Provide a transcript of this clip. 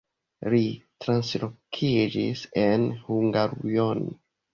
Li translokiĝis en Hungarujon.